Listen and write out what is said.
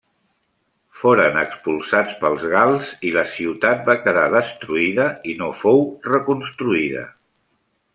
Foren expulsats pels gals i la ciutat va quedar destruïda i no fou reconstruïda.